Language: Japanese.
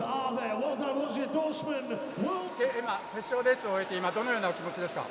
決勝レースを終えて今どのようなお気持ちですか？